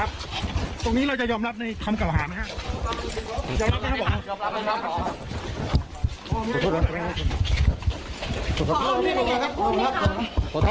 ตรงนี้เราจะยอมรับในคำเก่าหาไหมครับ